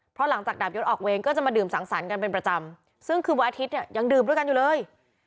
เพราะหลังจากดาบยศออกเวรก็จะมาดื่มสังสรรค์กันเป็นประจำซึ่งคือวันอาทิตย์เนี่ยยังดื่มด้วยกันอยู่เลย